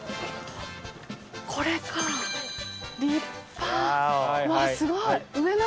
これか立派うわすごい。